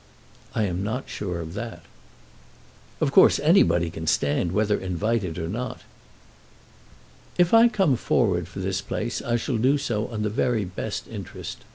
"I am not sure of that." "Of course anybody can stand whether invited or not." "If I come forward for this place I shall do so on the very best interest.